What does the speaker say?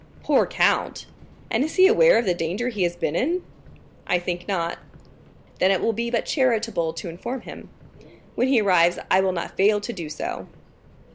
"Poor count! And is he aware of the danger he has been in?" "I think not." "Then it will be but charitable to inform him. When he arrives, I will not fail to do so."